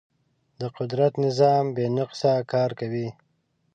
د قدرت نظام بې نقصه کار کوي.